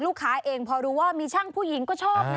ลูกค้าเองพอรู้ว่ามีช่างผู้หญิงก็ชอบนะ